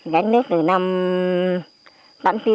gánh nước từ năm tám mươi chín lên chợ